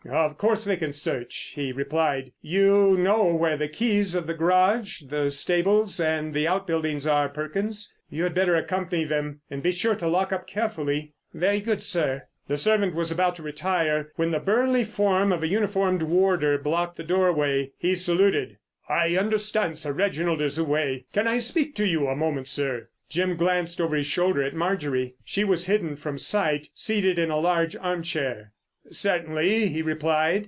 "Of course they can search," he replied. "You know where the keys of the garage, the stables, and the out buildings are, Perkins. You had better accompany them; and be sure to lock up carefully." "Very good, sir!" The servant was about to retire when the burly form of a uniformed warder blocked the doorway. He saluted. "I understand Sir Reginald is away; can I speak to you a moment, sir?" Jim glanced over his shoulder at Marjorie. She was hidden from sight, seated in a large armchair. "Certainly," he replied.